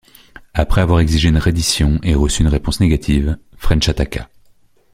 Après avoir exigé une reddition et reçu une réponse négative, French attaqua.